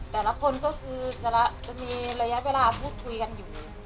แต่ละคนก็คือจะมีระยะเวลาพูดคุยกันอยู่